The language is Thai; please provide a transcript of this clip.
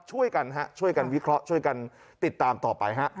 ช่วยกันวิเคราะห์ช่วยกันติดตามต่อไป